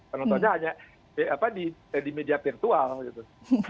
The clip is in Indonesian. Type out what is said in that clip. penontonnya hanya di media virtual gitu